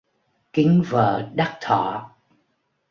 Kính vợ đắc thọ